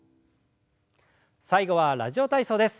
最後は「ラジオ体操」です。